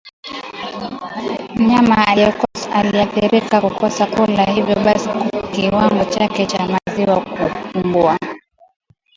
Mnyama aliyeathirika kukosa kula hivyo basi kiwango chake cha maziwa kupungua